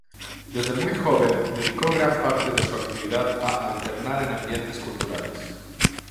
Desde muy joven dedicó gran parte de su actividad a alternar en ambientes culturales.